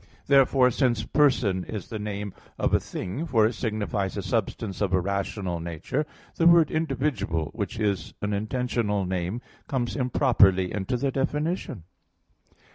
Therefore, since person is the name of a thing (for it signifies a substance of a rational nature), the word "individual" which is an intentional name comes improperly into the definition.